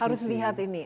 harus lihat ini